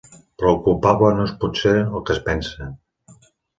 Però el culpable no és potser el que es pensa.